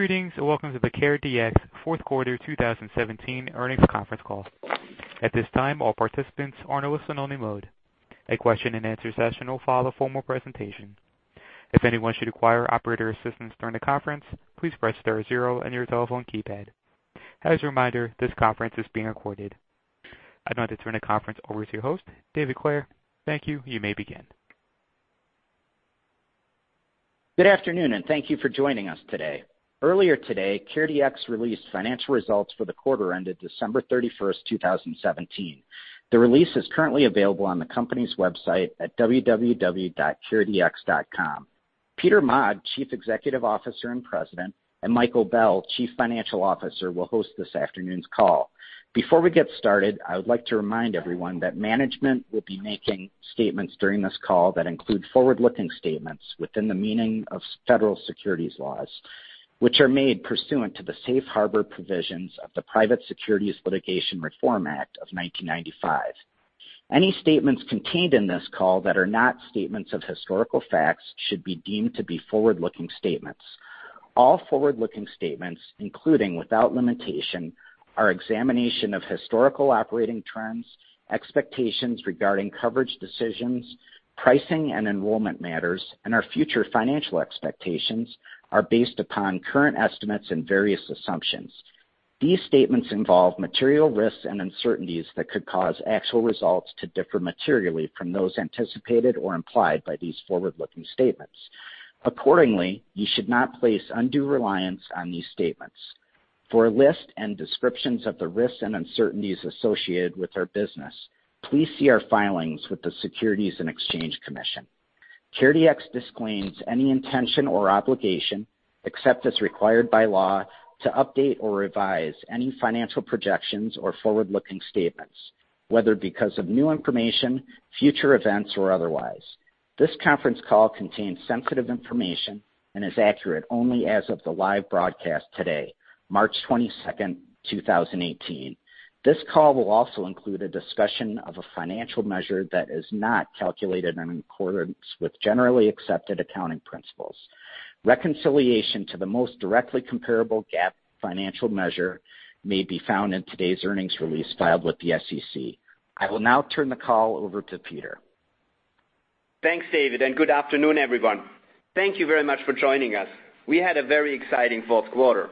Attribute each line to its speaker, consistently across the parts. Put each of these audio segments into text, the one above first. Speaker 1: Greetings, welcome to the CareDx fourth quarter 2017 earnings conference call. At this time, all participants are in listen-only mode. A question and answer session will follow formal presentation. If anyone should require operator assistance during the conference, please press star zero on your telephone keypad. As a reminder, this conference is being recorded. I'd now like to turn the conference over to your host, David Clair. Thank you. You may begin.
Speaker 2: Good afternoon, thank you for joining us today. Earlier today, CareDx released financial results for the quarter ended December 31st, 2017. The release is currently available on the company's website at www.caredx.com. Peter Maag, Chief Executive Officer and President, and Michael Bell, Chief Financial Officer, will host this afternoon's call. Before we get started, I would like to remind everyone that management will be making statements during this call that include forward-looking statements within the meaning of federal securities laws, which are made pursuant to the Safe Harbor provisions of the Private Securities Litigation Reform Act of 1995. All forward-looking statements, including without limitation, our examination of historical operating trends, expectations regarding coverage decisions, pricing and enrollment matters, and our future financial expectations, are based upon current estimates and various assumptions. These statements involve material risks and uncertainties that could cause actual results to differ materially from those anticipated or implied by these forward-looking statements. Accordingly, you should not place undue reliance on these statements. For a list and descriptions of the risks and uncertainties associated with our business, please see our filings with the Securities and Exchange Commission. CareDx disclaims any intention or obligation, except as required by law, to update or revise any financial projections or forward-looking statements, whether because of new information, future events, or otherwise. This conference call contains sensitive information and is accurate only as of the live broadcast today, March 22nd, 2018. This call will also include a discussion of a financial measure that is not calculated in accordance with generally accepted accounting principles. Reconciliation to the most directly comparable GAAP financial measure may be found in today's earnings release filed with the SEC. I will now turn the call over to Peter.
Speaker 3: Thanks, David, and good afternoon, everyone. Thank you very much for joining us. We had a very exciting fourth quarter.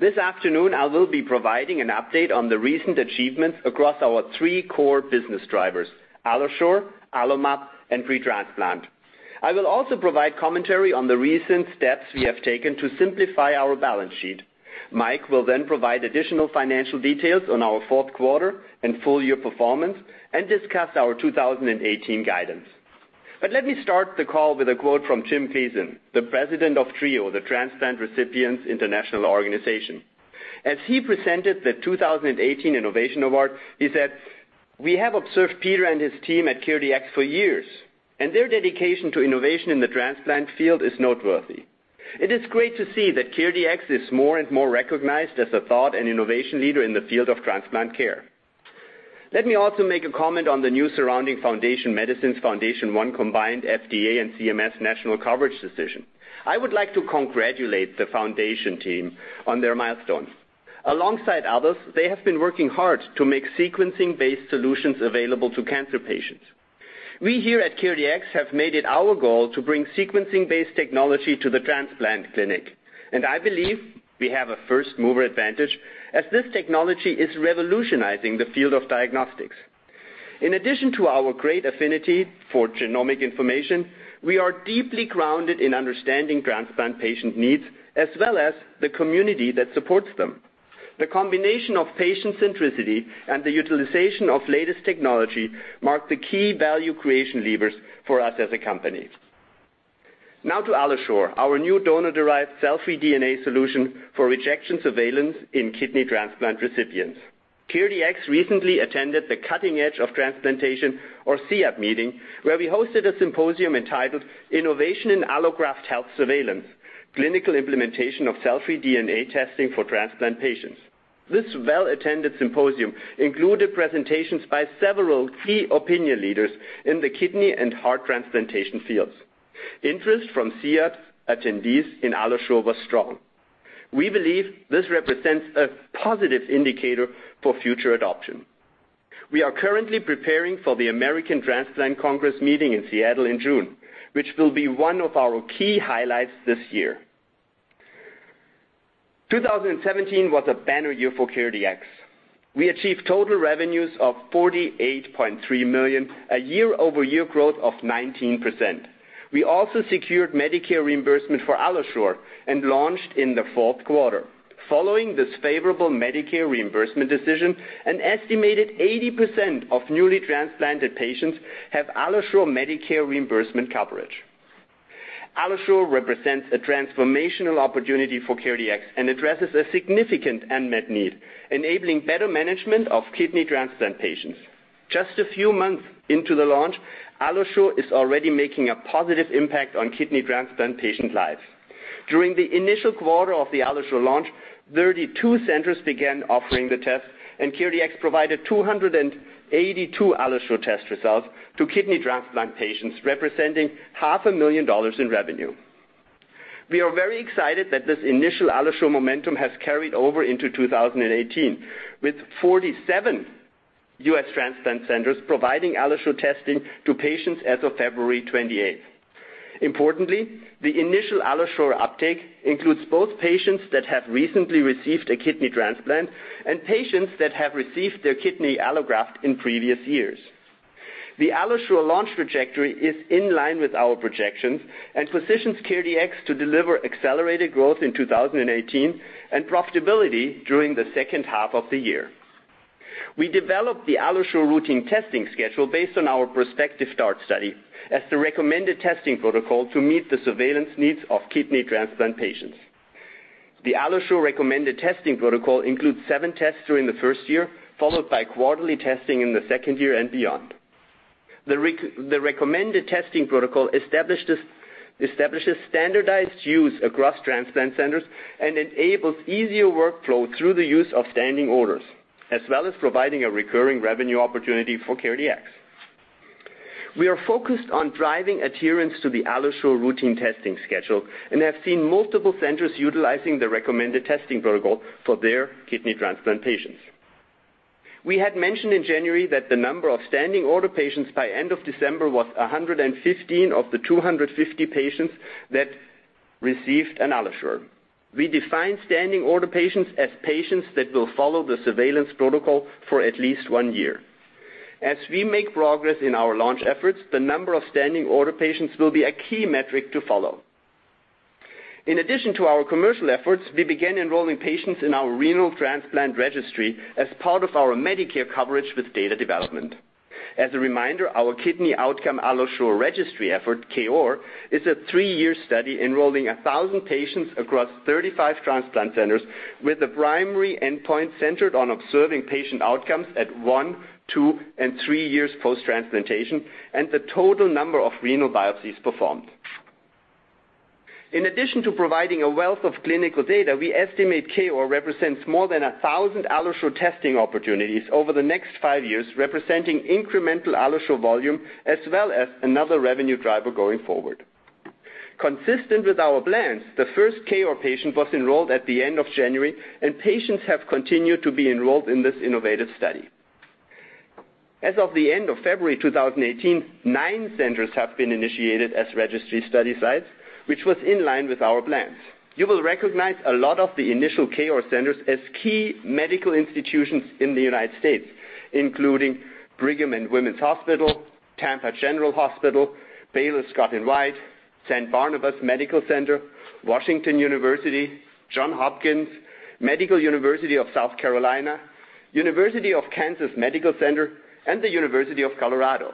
Speaker 3: This afternoon, I will be providing an update on the recent achievements across our three core business drivers, AlloSure, AlloMap, and Pre-Transplant. I will also provide commentary on the recent steps we have taken to simplify our balance sheet. Mike will then provide additional financial details on our fourth quarter and full year performance and discuss our 2018 guidance. Let me start the call with a quote from Jim Fazen, the President of TRIO, the Transplant Recipients International Organization. As he presented the 2018 Innovation Award, he said, "We have observed Peter and his team at CareDx for years, and their dedication to innovation in the transplant field is noteworthy." It is great to see that CareDx is more and more recognized as a thought and innovation leader in the field of transplant care. Let me also make a comment on the new surrounding Foundation Medicine's FoundationOne combined FDA and CMS national coverage decision. I would like to congratulate the Foundation team on their milestones. Alongside others, they have been working hard to make sequencing-based solutions available to cancer patients. We here at CareDx have made it our goal to bring sequencing-based technology to the transplant clinic, I believe we have a first-mover advantage as this technology is revolutionizing the field of diagnostics. In addition to our great affinity for genomic information, we are deeply grounded in understanding transplant patient needs as well as the community that supports them. The combination of patient centricity and the utilization of latest technology mark the key value creation levers for us as a company. Now to AlloSure, our new donor-derived cell-free DNA solution for rejection surveillance in kidney transplant recipients. CareDx recently attended the Cutting Edge of Transplantation, or CEoT meeting, where we hosted a symposium entitled "Innovation in Allograft Health Surveillance: Clinical Implementation of Cell-Free DNA Testing for Transplant Patients." This well-attended symposium included presentations by several key opinion leaders in the kidney and heart transplantation fields. Interest from CEoT's attendees in AlloSure was strong. We believe this represents a positive indicator for future adoption. We are currently preparing for the American Transplant Congress meeting in Seattle in June, which will be one of our key highlights this year. 2017 was a banner year for CareDx. We achieved total revenues of $48.3 million, a year-over-year growth of 19%. We also secured Medicare reimbursement for AlloSure and launched in the fourth quarter. Following this favorable Medicare reimbursement decision, an estimated 80% of newly transplanted patients have AlloSure Medicare reimbursement coverage. AlloSure represents a transformational opportunity for CareDx and addresses a significant unmet need, enabling better management of kidney transplant patients. Just a few months into the launch, AlloSure is already making a positive impact on kidney transplant patient lives. During the initial quarter of the AlloSure launch 32 centers began offering the test, and CareDx provided 282 AlloSure test results to kidney transplant patients, representing half a million dollars in revenue. We are very excited that this initial AlloSure momentum has carried over into 2018 with 47 U.S. transplant centers providing AlloSure testing to patients as of February 28th. Importantly, the initial AlloSure uptake includes both patients that have recently received a kidney transplant and patients that have received their kidney allograft in previous years. The AlloSure launch trajectory is in line with our projections and positions CareDx to deliver accelerated growth in 2018 and profitability during the second half of the year. We developed the AlloSure routine testing schedule based on our prospective DART study as the recommended testing protocol to meet the surveillance needs of kidney transplant patients. The AlloSure recommended testing protocol includes seven tests during the first year, followed by quarterly testing in the second year and beyond. The recommended testing protocol establishes standardized use across transplant centers and enables easier workflow through the use of standing orders, as well as providing a recurring revenue opportunity for CareDx. We are focused on driving adherence to the AlloSure routine testing schedule and have seen multiple centers utilizing the recommended testing protocol for their kidney transplant patients. We had mentioned in January that the number of standing order patients by end of December was 115 of the 250 patients that received an AlloSure. We define standing order patients as patients that will follow the surveillance protocol for at least one year. As we make progress in our launch efforts, the number of standing order patients will be a key metric to follow. In addition to our commercial efforts, we began enrolling patients in our renal transplant registry as part of our Medicare coverage with data development. As a reminder, our Kidney Allograft Outcomes AlloSure Registry effort, KOAR, is a three-year study enrolling 1,000 patients across 35 transplant centers with the primary endpoint centered on observing patient outcomes at one, two, and three years post-transplantation, and the total number of renal biopsies performed. In addition to providing a wealth of clinical data, we estimate KOAR represents more than 1,000 AlloSure testing opportunities over the next five years, representing incremental AlloSure volume as well as another revenue driver going forward. Consistent with our plans, the first KOAR patient was enrolled at the end of January, and patients have continued to be enrolled in this innovative study. As of the end of February 2018, nine centers have been initiated as registry study sites, which was in line with our plans. You will recognize a lot of the initial KOAR centers as key medical institutions in the U.S., including Brigham and Women's Hospital, Tampa General Hospital, Baylor Scott & White, Saint Barnabas Medical Center, Washington University, Johns Hopkins, Medical University of South Carolina, University of Kansas Medical Center, and the University of Colorado.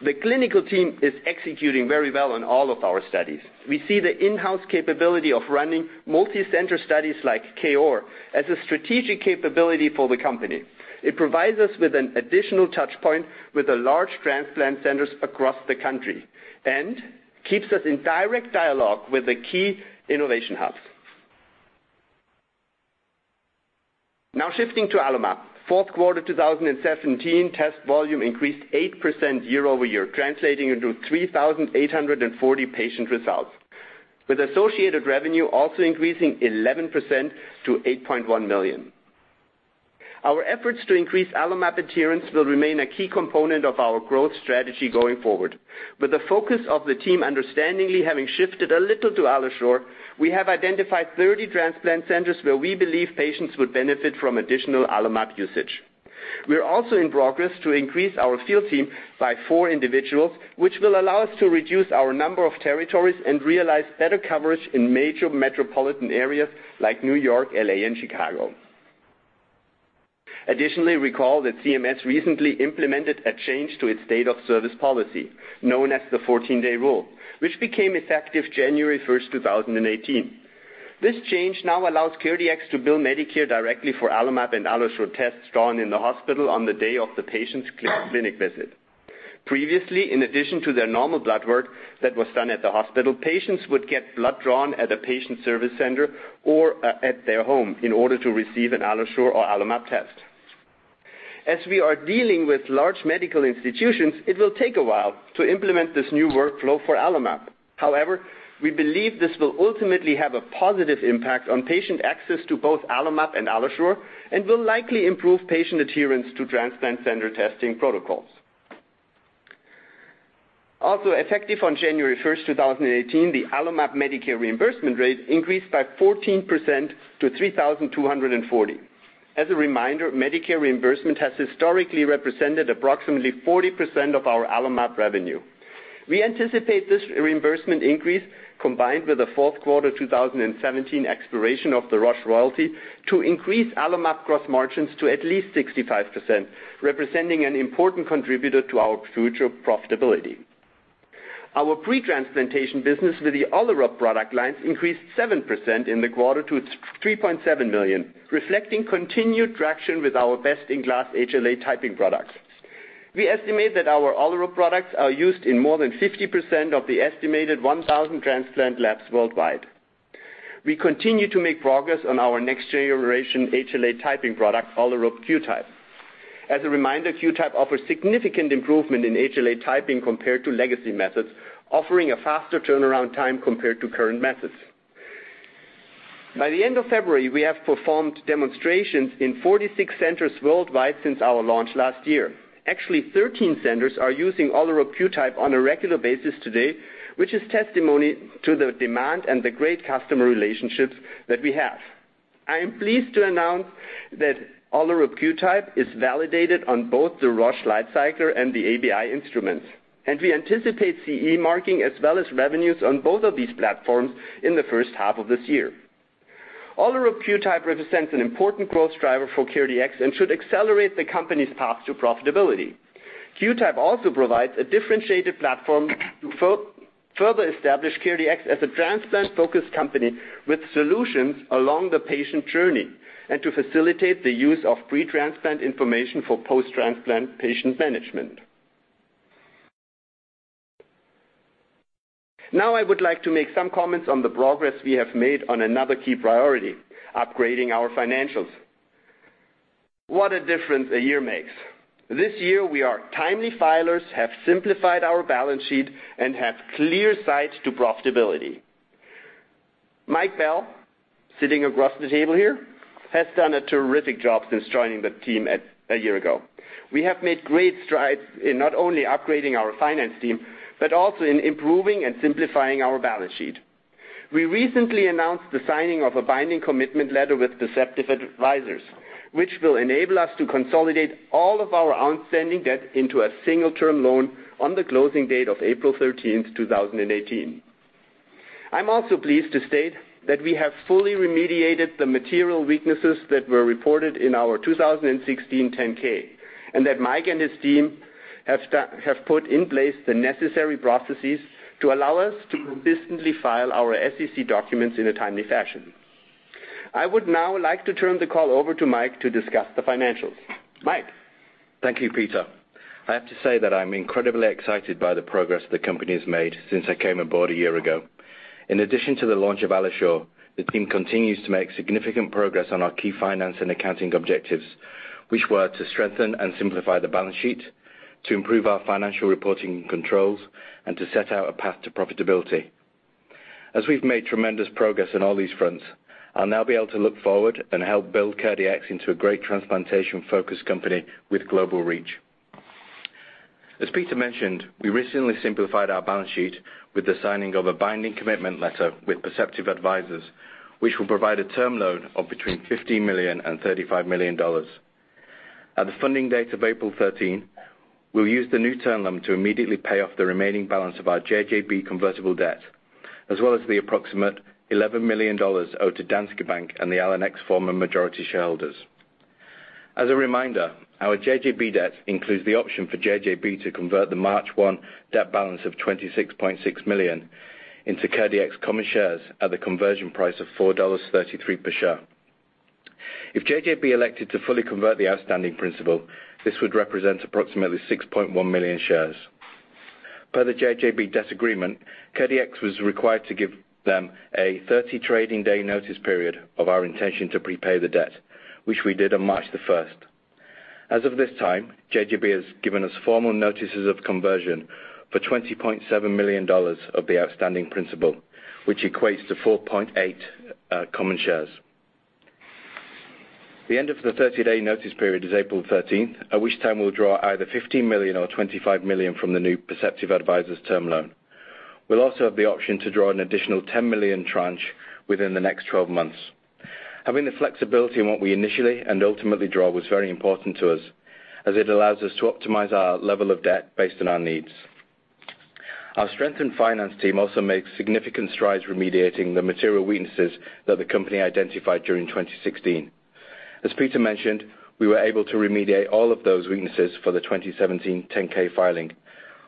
Speaker 3: The clinical team is executing very well on all of our studies. We see the in-house capability of running multi-center studies like KOAR as a strategic capability for the company. It provides us with an additional touch point with the large transplant centers across the country and keeps us in direct dialogue with the key innovation hubs. Now shifting to AlloMap. Fourth quarter 2017 test volume increased 8% year-over-year, translating into 3,840 patient results, with associated revenue also increasing 11% to $8.1 million. Our efforts to increase AlloMap adherence will remain a key component of our growth strategy going forward. With the focus of the team understandably having shifted a little to AlloSure, we have identified 30 transplant centers where we believe patients would benefit from additional AlloMap usage. We're also in progress to increase our field team by four individuals, which will allow us to reduce our number of territories and realize better coverage in major metropolitan areas like New York, L.A., and Chicago. Additionally, recall that CMS recently implemented a change to its date of service policy, known as the 14 Day Rule, which became effective January 1st, 2018. This change now allows CareDx to bill Medicare directly for AlloMap and AlloSure tests drawn in the hospital on the day of the patient's clinic visit. Previously, in addition to their normal blood work that was done at the hospital, patients would get blood drawn at a patient service center or at their home in order to receive an AlloSure or AlloMap test. As we are dealing with large medical institutions, it will take a while to implement this new workflow for AlloMap. However, we believe this will ultimately have a positive impact on patient access to both AlloMap and AlloSure and will likely improve patient adherence to transplant center testing protocols. Also effective on January 1st, 2018, the AlloMap Medicare reimbursement rate increased by 14% to $3,240. As a reminder, Medicare reimbursement has historically represented approximately 40% of our AlloMap revenue. We anticipate this reimbursement increase, combined with a fourth quarter 2017 expiration of the Rush royalty, to increase AlloMap gross margins to at least 65%, representing an important contributor to our future profitability. Our pre-transplantation business with the Olerup product lines increased 7% in the quarter to $3.7 million, reflecting continued traction with our best-in-class HLA typing products. We estimate that our Olerup products are used in more than 50% of the estimated 1,000 transplant labs worldwide. We continue to make progress on our next-generation HLA typing product, Olerup QTYPE. As a reminder, QTYPE offers significant improvement in HLA typing compared to legacy methods, offering a faster turnaround time compared to current methods. By the end of February, we have performed demonstrations in 46 centers worldwide since our launch last year. Actually, 13 centers are using Olerup QTYPE on a regular basis today, which is testimony to the demand and the great customer relationships that we have. I am pleased to announce that Olerup QTYPE is validated on both the Roche LightCycler and the ABI instruments, and we anticipate CE marking as well as revenues on both of these platforms in the first half of this year. Olerup QTYPE represents an important growth driver for CareDx and should accelerate the company's path to profitability. QTYPE also provides a differentiated platform to further establish CareDx as a transplant-focused company with solutions along the patient journey and to facilitate the use of pre-transplant information for post-transplant patient management. Now I would like to make some comments on the progress we have made on another key priority, upgrading our financials. What a difference a year makes. This year, we are timely filers, have simplified our balance sheet, and have clear sight to profitability. Mike Bell, sitting across the table here, has done a terrific job since joining the team a year ago. We have made great strides in not only upgrading our finance team, but also in improving and simplifying our balance sheet. We recently announced the signing of a binding commitment letter with Perceptive Advisors, which will enable us to consolidate all of our outstanding debt into a single-term loan on the closing date of April 13th, 2018. I'm also pleased to state that we have fully remediated the material weaknesses that were reported in our 2016 10-K, and that Mike and his team have put in place the necessary processes to allow us to consistently file our SEC documents in a timely fashion. I would now like to turn the call over to Mike to discuss the financials. Mike?
Speaker 4: Thank you, Peter. I have to say that I'm incredibly excited by the progress the company has made since I came aboard a year ago. In addition to the launch of AlloSure, the team continues to make significant progress on our key finance and accounting objectives, which were to strengthen and simplify the balance sheet, to improve our financial reporting controls, and to set out a path to profitability. As we've made tremendous progress on all these fronts, I'll now be able to look forward and help build CareDx into a great transplantation-focused company with global reach. As Peter mentioned, we recently simplified our balance sheet with the signing of a binding commitment letter with Perceptive Advisors, which will provide a term loan of between $15 million and $35 million. At the funding date of April 13, we'll use the new term loan to immediately pay off the remaining balance of our JGB convertible debt, as well as the approximate $11 million owed to Danske Bank and the Allenex ex former majority shareholders. As a reminder, our JGB debt includes the option for JGB to convert the March 1 debt balance of $26.6 million into CareDx common shares at the conversion price of $4.33 per share. If JGB elected to fully convert the outstanding principal, this would represent approximately 6.1 million shares. Per the JGB debt agreement, CareDx was required to give them a 30-trading day notice period of our intention to prepay the debt, which we did on March the 1st. As of this time, JGB has given us formal notices of conversion for $20.7 million of the outstanding principal, which equates to 4.8 million common shares. The end of the 30-day notice period is April 13th, at which time we'll draw either $15 million or $25 million from the new Perceptive Advisors term loan. We'll also have the option to draw an additional $10 million tranche within the next 12 months. Having the flexibility in what we initially and ultimately draw was very important to us, as it allows us to optimize our level of debt based on our needs. Our strengthened finance team also makes significant strides remediating the material weaknesses that the company identified during 2016. As Peter mentioned, we were able to remediate all of those weaknesses for the 2017 10-K filing.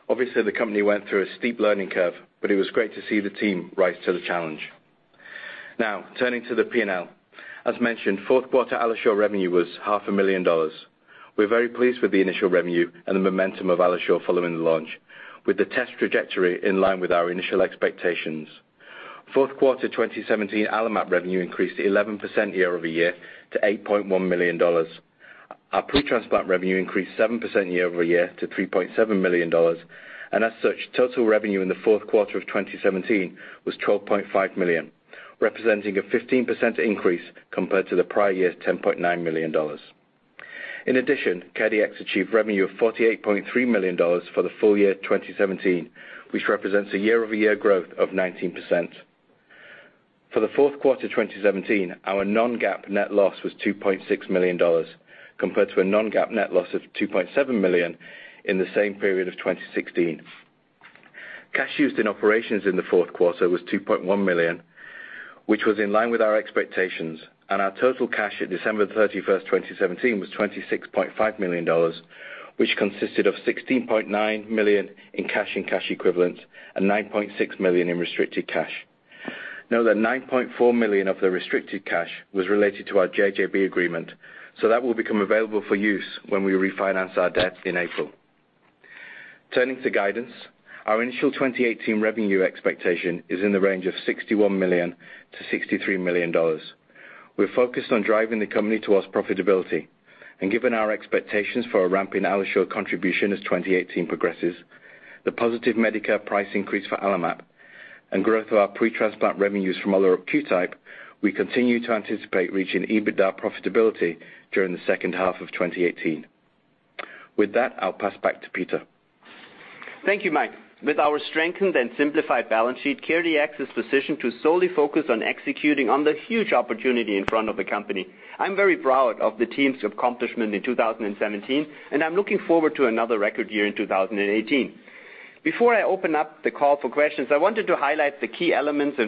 Speaker 4: Obviously, the company went through a steep learning curve, but it was great to see the team rise to the challenge. Now, turning to the P&L. As mentioned, fourth quarter AlloSure revenue was half a million dollars. We're very pleased with the initial revenue and the momentum of AlloSure following the launch, with the test trajectory in line with our initial expectations. Fourth quarter 2017 AlloMap revenue increased 11% year-over-year to $8.1 million. Our pre-transplant revenue increased 7% year-over-year to $3.7 million. As such, total revenue in the fourth quarter of 2017 was $12.5 million, representing a 15% increase compared to the prior year's $10.9 million. In addition, CareDx achieved revenue of $48.3 million for the full year 2017, which represents a year-over-year growth of 19%. For the fourth quarter 2017, our non-GAAP net loss was $2.6 million, compared to a non-GAAP net loss of $2.7 million in the same period of 2016. Cash used in operations in the fourth quarter was $2.1 million, which was in line with our expectations. Our total cash at December 31st, 2017, was $26.5 million, which consisted of $16.9 million in cash and cash equivalents and $9.6 million in restricted cash. Know that $9.4 million of the restricted cash was related to our JGB agreement, that will become available for use when we refinance our debt in April. Turning to guidance, our initial 2018 revenue expectation is in the range of $61 million-$63 million. We're focused on driving the company towards profitability. Given our expectations for a ramp in AlloSure contribution as 2018 progresses, the positive Medicare price increase for AlloMap, and growth of our pre-transplant revenues from Olerup QTYPE, we continue to anticipate reaching EBITDA profitability during the second half of 2018. With that, I'll pass back to Peter.
Speaker 3: Thank you, Mike. With our strengthened and simplified balance sheet, CareDx is positioned to solely focus on executing on the huge opportunity in front of the company. I'm very proud of the team's accomplishment in 2017. I'm looking forward to another record year in 2018. Before I open up the call for questions, I wanted to highlight the key elements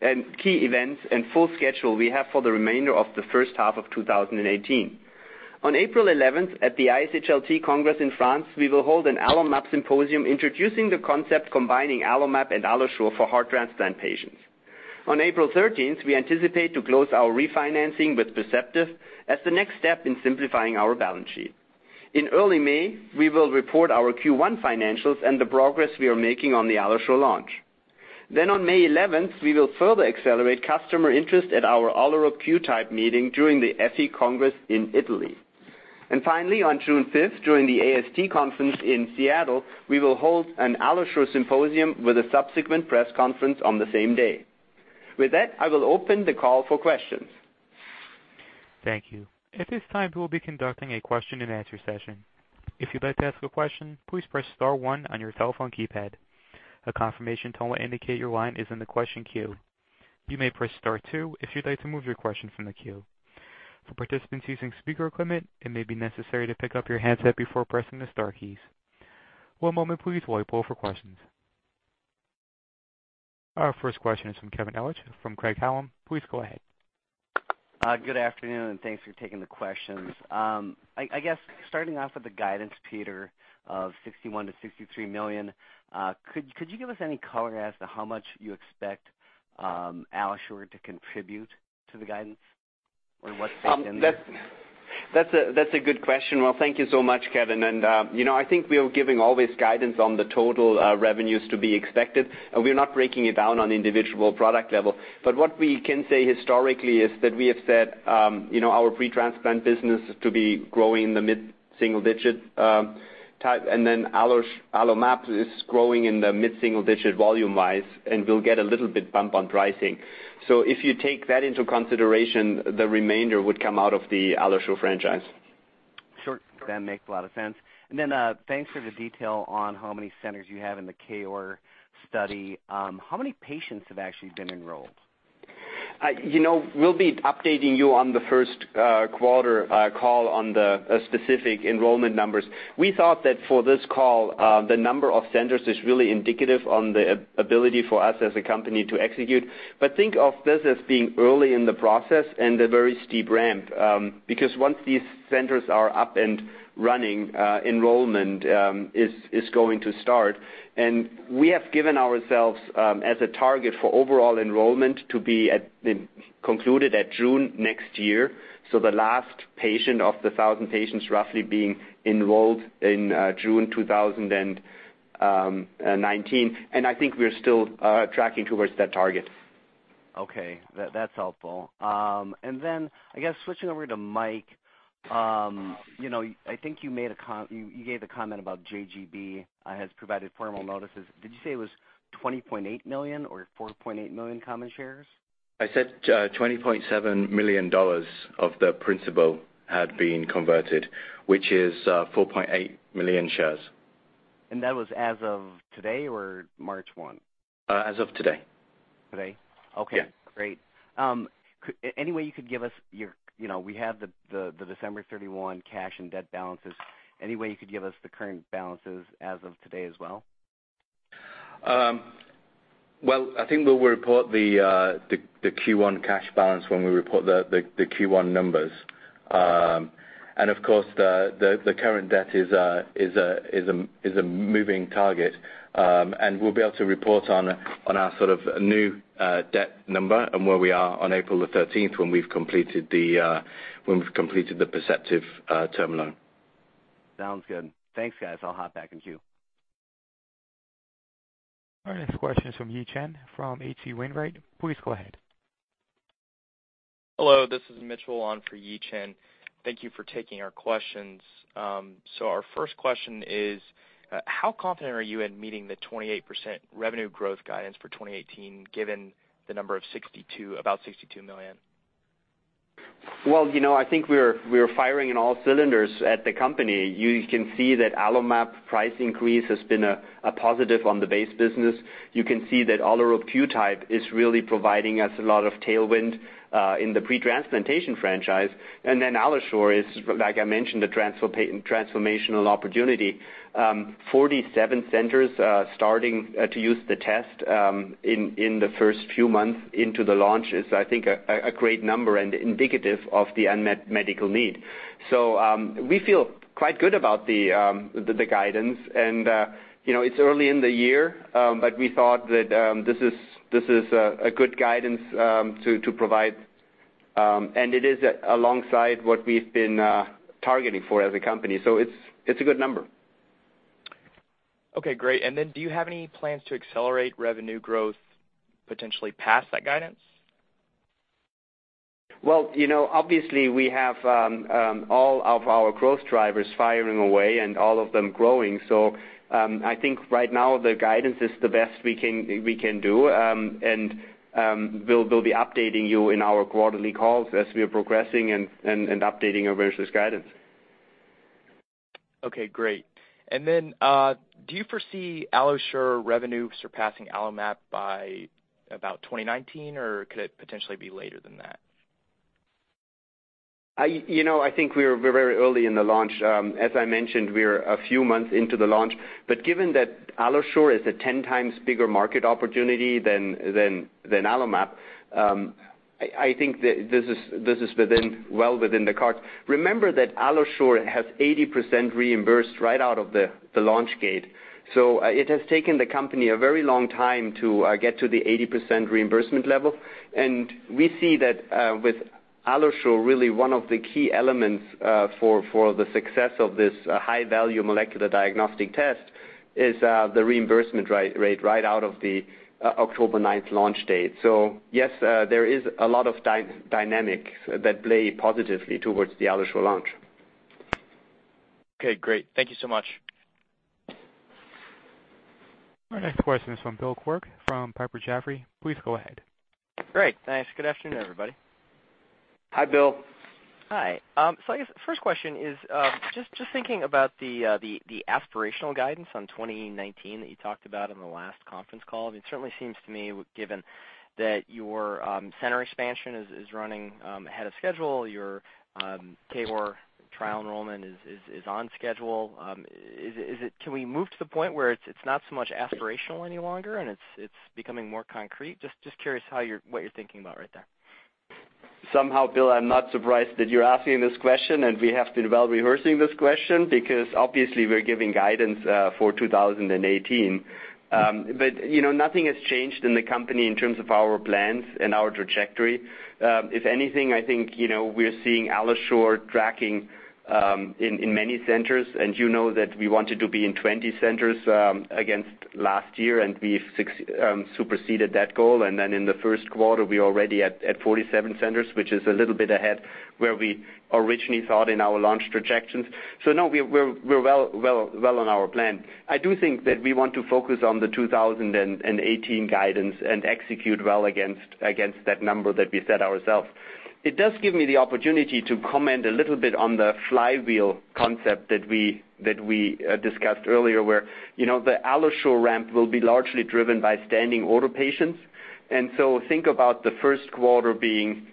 Speaker 3: and key events and full schedule we have for the remainder of the first half of 2018. On April 11th, at the ISHLT Congress in France, we will hold an AlloMap symposium introducing the concept combining AlloMap and AlloSure for heart transplant patients. On April 13th, we anticipate to close our refinancing with Perceptive as the next step in simplifying our balance sheet. In early May, we will report our Q1 financials and the progress we are making on the AlloSure launch. On May 11th, we will further accelerate customer interest at our Olerup QTYPE meeting during the ESOT Congress in Italy. Finally, on June 5th, during the ATC Conference in Seattle, we will hold an AlloSure symposium with a subsequent press conference on the same day. With that, I will open the call for questions.
Speaker 1: Thank you. At this time, we will be conducting a question and answer session. If you'd like to ask a question, please press *1 on your telephone keypad. A confirmation tone will indicate your line is in the question queue. You may press *2 if you'd like to remove your question from the queue. For participants using speaker equipment, it may be necessary to pick up your handset before pressing the star keys. One moment please, while we poll for questions. Our first question is from Kevin Ellich from Craig-Hallum. Please go ahead.
Speaker 5: Good afternoon, thanks for taking the questions. I guess starting off with the guidance, Peter, of $61 million-$63 million, could you give us any color as to how much you expect AlloSure to contribute to the guidance?
Speaker 3: That's a good question. Well, thank you so much, Kevin. I think we are giving always guidance on the total revenues to be expected. We're not breaking it down on individual product level. What we can say historically is that we have said, our pre-transplant business to be growing in the mid-single-digit type, AlloMap is growing in the mid-single-digit volume-wise, and we'll get a little bit bump on pricing. If you take that into consideration, the remainder would come out of the AlloSure franchise.
Speaker 5: Sure. That makes a lot of sense. Thanks for the detail on how many centers you have in the KOAR study. How many patients have actually been enrolled?
Speaker 3: We'll be updating you on the first quarter call on the specific enrollment numbers. We thought that for this call, the number of centers is really indicative on the ability for us as a company to execute. Think of this as being early in the process and a very steep ramp. Once these centers are up and running, enrollment is going to start. We have given ourselves, as a target for overall enrollment, to be concluded at June 2019, so the last patient of the 1,000 patients roughly being enrolled in June 2019. I think we're still tracking towards that target.
Speaker 5: Okay. That's helpful. I guess switching over to Mike. I think you gave the comment about JGB has provided formal notices. Did you say it was 20.8 million or 4.8 million common shares?
Speaker 4: I said $20.7 million of the principal had been converted, which is 4.8 million shares.
Speaker 5: That was as of today or March 1?
Speaker 4: As of today.
Speaker 5: Today?
Speaker 4: Yeah.
Speaker 5: Okay, great. We have the December 31 cash and debt balances. Any way you could give us the current balances as of today as well?
Speaker 4: Well, I think we'll report the Q1 cash balance when we report the Q1 numbers. Of course, the current debt is a moving target. We'll be able to report on our sort of new debt number and where we are on April the 13th when we've completed the Perceptive term loan.
Speaker 5: Sounds good. Thanks, guys. I'll hop back in queue.
Speaker 1: Our next question is from Yi Chen from H.C. Wainwright. Please go ahead.
Speaker 6: Hello, this is Mitchell on for Yi Chen. Thank you for taking our questions. Our first question is, how confident are you in meeting the 28% revenue growth guidance for 2018, given the number of about $62 million?
Speaker 3: Well, I think we're firing on all cylinders at the company. You can see that AlloMap price increase has been a positive on the base business. You can see that Olerup QTYPE is really providing us a lot of tailwind in the pre-transplantation franchise. AlloSure is, like I mentioned, a transformational opportunity. 47 centers starting to use the test in the first few months into the launch is, I think, a great number and indicative of the unmet medical need. We feel quite good about the guidance and it's early in the year, but we thought that this is a good guidance to provide It is alongside what we've been targeting for as a company. It's a good number.
Speaker 6: Okay, great. Do you have any plans to accelerate revenue growth potentially past that guidance?
Speaker 3: Well, obviously we have all of our growth drivers firing away and all of them growing. I think right now the guidance is the best we can do. We'll be updating you in our quarterly calls as we are progressing and updating our versus guidance.
Speaker 6: Okay, great. Do you foresee AlloSure revenue surpassing AlloMap by about 2019 or could it potentially be later than that?
Speaker 3: I think we're very early in the launch. As I mentioned, we're a few months into the launch, but given that AlloSure is a 10 times bigger market opportunity than AlloMap, I think that this is well within the cards. Remember that AlloSure has 80% reimbursed right out of the launch gate. It has taken the company a very long time to get to the 80% reimbursement level. We see that with AlloSure, really one of the key elements for the success of this high-value molecular diagnostic test is the reimbursement rate right out of the October 9th launch date. Yes, there is a lot of dynamics that play positively towards the AlloSure launch.
Speaker 6: Okay, great. Thank you so much.
Speaker 1: Our next question is from Bill Quirk from Piper Jaffray. Please go ahead.
Speaker 7: Great, thanks. Good afternoon, everybody.
Speaker 3: Hi, Bill.
Speaker 7: Hi. I guess first question is, just thinking about the aspirational guidance on 2019 that you talked about on the last conference call, it certainly seems to me, given that your center expansion is running ahead of schedule, your KOAR trial enrollment is on schedule. Can we move to the point where it's not so much aspirational any longer and it's becoming more concrete? Just curious what you're thinking about right there.
Speaker 3: Somehow, Bill, I'm not surprised that you're asking this question. We have been well rehearsing this question because obviously we're giving guidance for 2018. Nothing has changed in the company in terms of our plans and our trajectory. If anything, I think, we're seeing AlloSure tracking, in many centers, and you know that we wanted to be in 20 centers against last year, and we've superseded that goal. In the first quarter, we're already at 47 centers, which is a little bit ahead where we originally thought in our launch trajectories. No, we're well on our plan. I do think that we want to focus on the 2018 guidance and execute well against that number that we set ourselves. It does give me the opportunity to comment a little bit on the flywheel concept that we discussed earlier, where the AlloSure ramp will be largely driven by standing order patients. Think about the first quarter being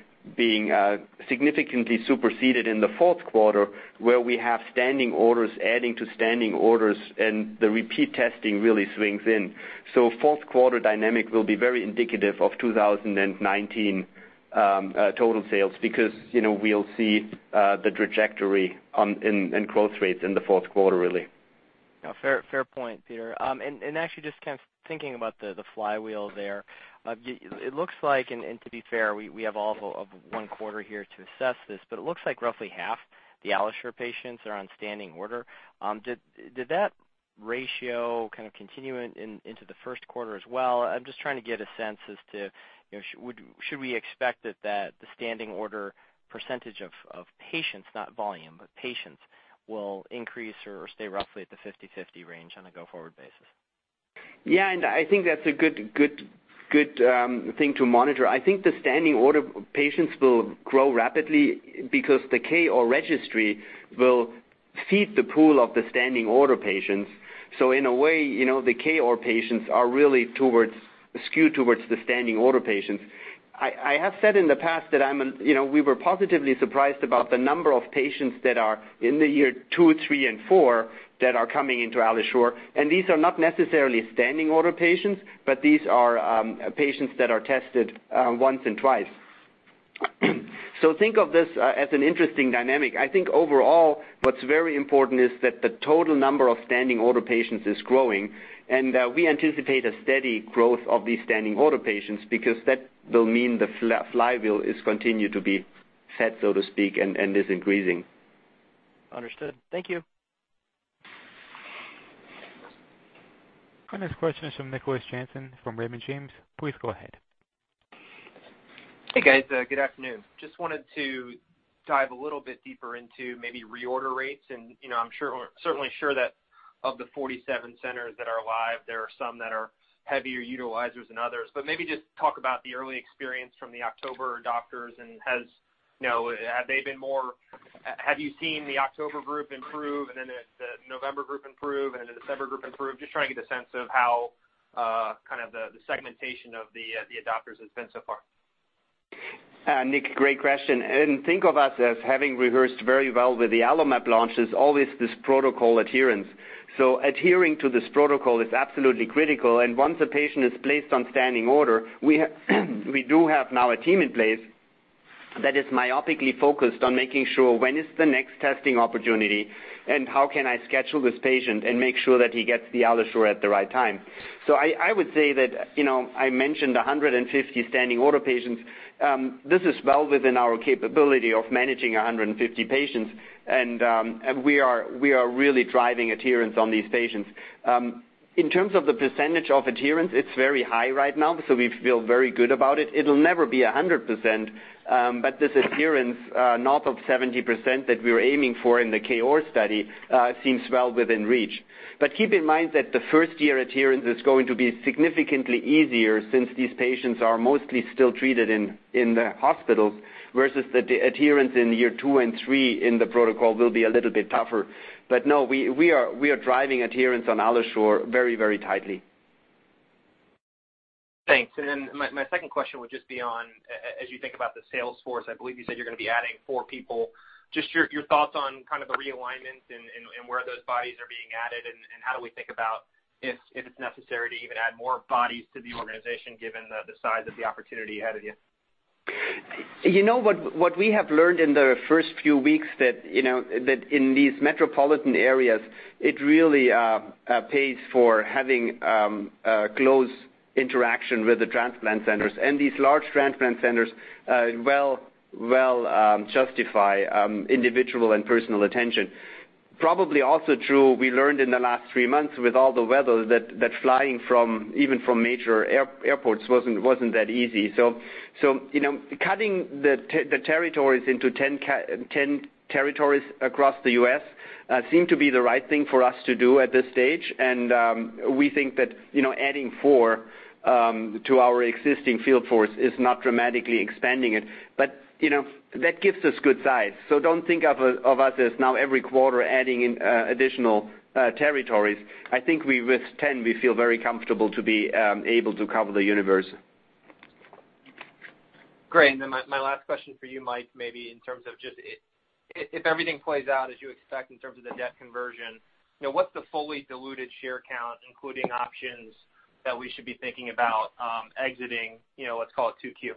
Speaker 3: significantly superseded in the fourth quarter where we have standing orders adding to standing orders and the repeat testing really swings in. Fourth quarter dynamic will be very indicative of 2019 total sales because we'll see the trajectory in growth rates in the fourth quarter really.
Speaker 7: No, fair point, Peter. Actually just kind of thinking about the flywheel there. It looks like, and to be fair, we have all of one quarter here to assess this, but it looks like roughly half the AlloSure patients are on standing order. Did that ratio kind of continue into the first quarter as well? I'm just trying to get a sense as to, should we expect that the standing order percentage of patients, not volume, but patients, will increase or stay roughly at the 50/50 range on a go-forward basis?
Speaker 3: Yeah, I think that's a good thing to monitor. I think the standing order patients will grow rapidly because the KOAR registry will feed the pool of the standing order patients. In a way, the KOAR patients are really skewed towards the standing order patients. I have said in the past that we were positively surprised about the number of patients that are in the year two, three, and four that are coming into AlloSure, and these are not necessarily standing order patients, but these are patients that are tested once and twice. Think of this as an interesting dynamic. I think overall, what's very important is that the total number of standing order patients is growing, and we anticipate a steady growth of these standing order patients because that will mean the flywheel is continued to be fed, so to speak, and is increasing.
Speaker 7: Understood. Thank you.
Speaker 1: Our next question is from Nicholas Jansen from Raymond James. Please go ahead.
Speaker 8: Hey, guys. Good afternoon. Just wanted to dive a little bit deeper into maybe reorder rates, I'm certainly sure that of the 47 centers that are alive, there are some that are heavier utilizers than others. Maybe just talk about the early experience from the October adopters, have you seen the October group improve, the November group improve, the December group improve? Just trying to get a sense of how the segmentation of the adopters has been so far.
Speaker 3: Nick, great question. Think of us as having rehearsed very well with the AlloMap launches, always this protocol adherence. Adhering to this protocol is absolutely critical, and once a patient is placed on standing order, we do have now a team in place that is myopically focused on making sure when is the next testing opportunity, and how can I schedule this patient and make sure that he gets the AlloSure at the right time. I would say that, I mentioned 150 standing order patients. This is well within our capability of managing 150 patients. We are really driving adherence on these patients. In terms of the percentage of adherence, it's very high right now, so we feel very good about it. It'll never be 100%, but this adherence north of 70% that we're aiming for in the KOAR study, seems well within reach. Keep in mind that the first-year adherence is going to be significantly easier since these patients are mostly still treated in the hospitals, versus the adherence in year two and three in the protocol will be a little bit tougher. No, we are driving adherence on AlloSure very tightly.
Speaker 8: Thanks. My second question would just be on, as you think about the sales force, I believe you said you're going to be adding four people. Just your thoughts on the realignment and where those bodies are being added, and how do we think about if it's necessary to even add more bodies to the organization, given the size of the opportunity ahead of you.
Speaker 3: What we have learned in the first few weeks that in these metropolitan areas, it really pays for having close interaction with the transplant centers. These large transplant centers well justify individual and personal attention. Probably also true, we learned in the last three months with all the weather, that flying from even from major airports wasn't that easy. Cutting the territories into 10 territories across the U.S., seem to be the right thing for us to do at this stage. We think that adding four to our existing field force is not dramatically expanding it. That gives us good size. Don't think of us as now every quarter adding in additional territories. I think with 10, we feel very comfortable to be able to cover the universe.
Speaker 8: Great. My last question for you, Mike, maybe in terms of just if everything plays out as you expect in terms of the debt conversion, what's the fully diluted share count, including options that we should be thinking about exiting, let's call it 2Q?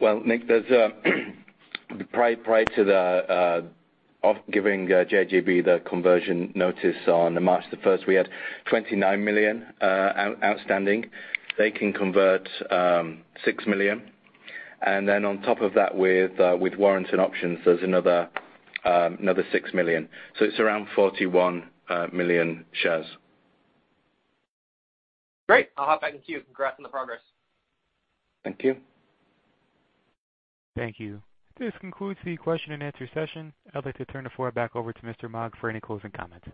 Speaker 4: Well, Nick, there's a prior to giving JGB the conversion notice on March 1st, we had $29 million outstanding. They can convert $6 million. Then on top of that with warrants and options, there's another $6 million. It's around 41 million shares.
Speaker 8: Great. I'll hop back in queue. Congrats on the progress.
Speaker 4: Thank you.
Speaker 1: Thank you. This concludes the question and answer session. I'd like to turn the floor back over to Mr. Maag for any closing comments.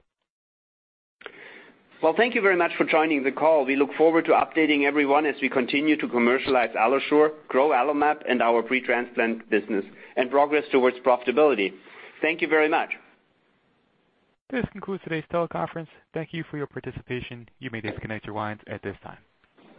Speaker 3: Well, thank you very much for joining the call. We look forward to updating everyone as we continue to commercialize AlloSure, grow AlloMap and our pre-transplant business, and progress towards profitability. Thank you very much.
Speaker 1: This concludes today's teleconference. Thank you for your participation. You may disconnect your lines at this time.